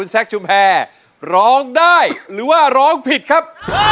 ตรงใจตรงใจตรงใจตรงใจตรงใจตรงใจตรงใจตรงใจ